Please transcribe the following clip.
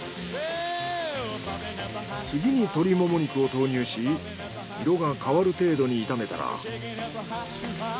次に鶏モモ肉を投入し色が変わる程度に炒めたら。